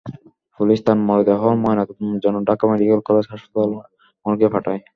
Police তাঁর মরদেহ ময়নাতদন্তের জন্য ঢাকা মেডিকেল কলেজ হাসপাতাল মর্গে পাঠায়।